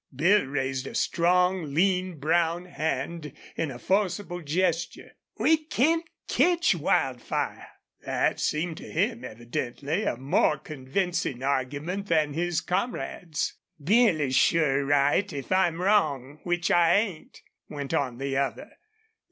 Bill raised a strong, lean, brown hand in a forcible gesture. "We can't ketch Wildfire!" That seemed to him, evidently, a more convincing argument than his comrade's. "Bill is sure right, if I'm wrong, which I ain't," went on the other.